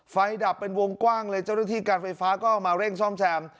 ดับเป็นวงกว้างเลยเจ้าหน้าที่การไฟฟ้าก็มาเร่งซ่อมแซม